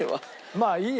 まあいいや。